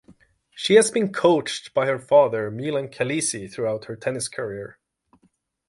She has been coached by her father, Milan Kelesi, throughout her tennis career.